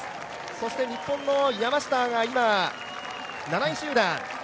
そして日本の山下が今、７位集団。